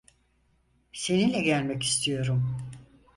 Seninle gelmek istiyorum.